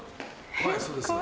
はいそうです。